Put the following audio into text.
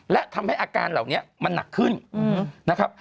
และทำให้อาการเหล่านี้มันหนักขึ้นนะครับ